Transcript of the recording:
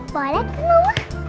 boleh kan omah